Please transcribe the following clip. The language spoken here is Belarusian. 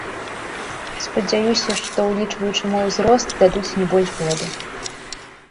Спадзяюся, што ўлічваючы мой узрост дадуць не больш году.